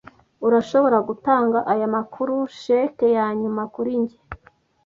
Urashobora gutanga aya makuru cheque yanyuma kuri njye?